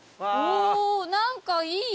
おお何かいい。